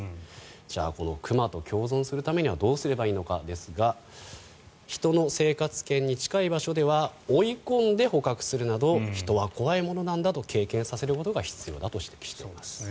じゃあ、この熊と共存するためにはどうすればいいのかですが人の生活圏に近い場所では追い込んで捕獲するなど人は怖いものなんだと経験させることが必要だと指摘しています。